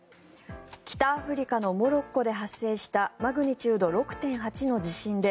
北アフリカのモロッコで発生したマグニチュード６．８の地震で